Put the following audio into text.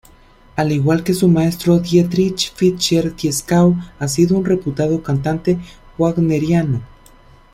Al igual que su maestro Dietrich Fischer-Dieskau, ha sido un reputado cantante wagneriano.